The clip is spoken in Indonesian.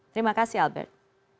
terima kasih albert